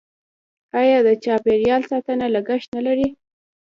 آیا د چاپیریال ساتنه لګښت نلري؟